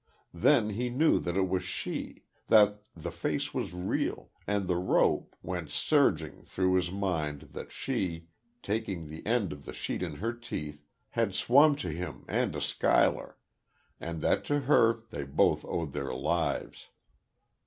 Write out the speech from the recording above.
Then he knew that it was she that the face was real, and the rope.... Went surging through his mind that she, taking the end of the sheet in her teeth, had swum to him, and to Schuyler and that to her they both owed their lives.